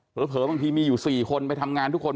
เพราะเผอบางทีมีอยู่สี่คนไปทำงานทุกคน